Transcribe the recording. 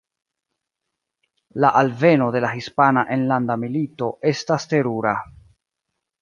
La alveno de la Hispana Enlanda Milito estas terura.